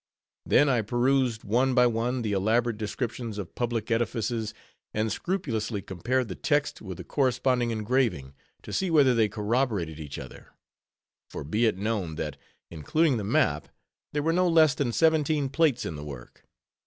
Then I perused one by one the elaborate descriptions of public edifices, and scrupulously compared the text with the corresponding engraving, to see whether they corroborated each other. For be it known that, including the map, there were no less than seventeen plates in the work.